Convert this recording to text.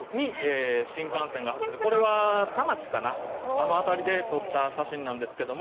あの辺りで撮った写真なんですけども。